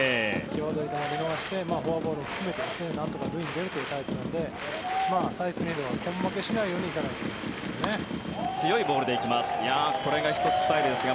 際どい球を見逃してフォアボールを含めてなんとか塁に出るというタイプなのでサイスニードは根負けしないようにいかないといけないですね。